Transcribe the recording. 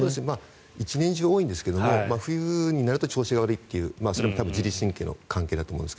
１年中多いんですが冬になると調子が悪いという、それも自律神経の関係だと思いますが。